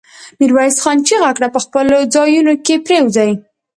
ميرويس خان چيغه کړه! په خپلو ځايونو کې پرېوځي.